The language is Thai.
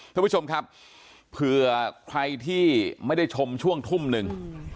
ท่านผู้ชมครับเผื่อใครที่ไม่ได้ชมช่วงทุ่มหนึ่ง